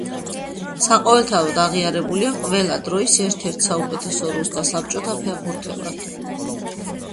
საყოველთაოდ აღიარებულია ყველა დროის ერთ-ერთ საუკეთესო რუს და საბჭოთა ფეხბურთელად.